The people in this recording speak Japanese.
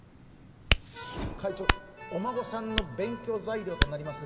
会長お孫さんの勉強材料となります